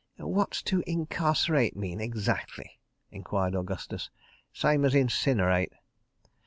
"What's 'to incarcerate' mean, exactly?" enquired Augustus. "Same as 'incinerate.